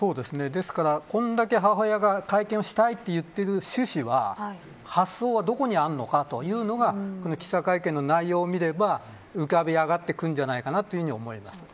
ですからこれだけ母親が会見をしたいと言っている趣旨は発想は、どこにあるのかというのが記者会見の内容を見れば浮かび上がってくるんじゃないかなと思います。